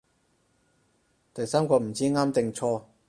第三個唔知啱定錯